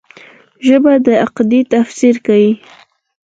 ژبه د عقیدې تفسیر کوي